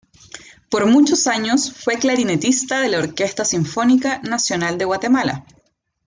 Por muchos años fue clarinetista en la Orquesta Sinfónica Nacional de Guatemala.